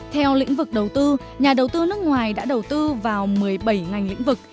theo lĩnh vực đầu tư nhà đầu tư nước ngoài đã đầu tư vào một mươi bảy ngành lĩnh vực